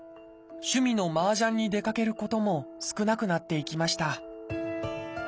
趣味のマージャンに出かけることも少なくなっていきました。